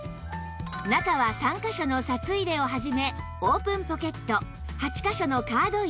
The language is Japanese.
中は３カ所の札入れを始めオープンポケット８カ所のカード入れ